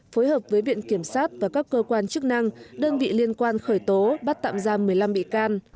phối hợp với viện kiểm sát và các cơ quan chức năng đơn vị liên quan khởi tố bắt tạm giam một mươi năm bị can